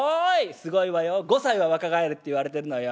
「すごいわよ５歳は若返るっていわれてるのよ」。